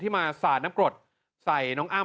มาสาดน้ำกรดใส่น้องอ้ำ